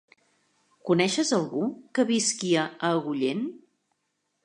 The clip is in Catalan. Coneixes algú que visqui a Agullent?